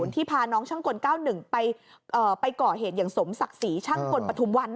ที่พาน้องช่างกล๙๑ไปก่อเหตุอย่างสมศักดิ์ศรีช่างกลปฐุมวัน